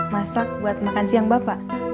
masak buat makan siang bapak